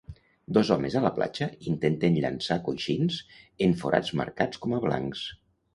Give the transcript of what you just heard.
Dos homes a la platja intenten llançar coixins en forats marcats com a blancs.